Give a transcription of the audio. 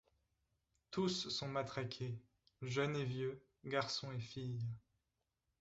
Tous sont matraqués, jeunes et vieux, garçons et filles.